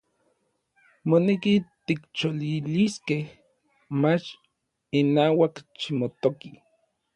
Moneki tikcholiliskej, mach inauak ximotoki.